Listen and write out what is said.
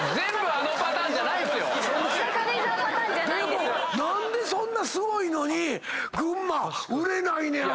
でも何でそんなすごいのに群馬売れないねやろなぁ？